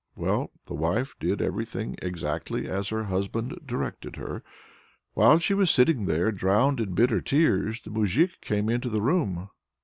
Well the wife did everything exactly as her husband directed her. While she was sitting there drowned in bitter tears, the moujik came into the room.